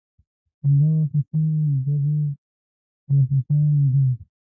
همدغه کوڅې ډبي جاسوسان دي.